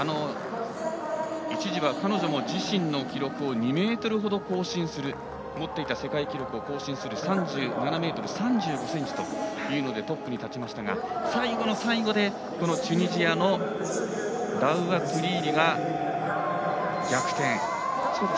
一時は彼女も自身の記録を２ｍほど更新する持っていた世界記録を更新する３７ｍ３５ｃｍでトップに立ちましたが最後の最後でチュニジアのラウア・トゥリーリが逆転。